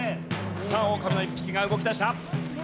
さあオオカミの１匹が動き出した。